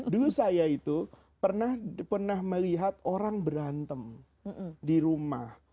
dulu saya itu pernah melihat orang berantem di rumah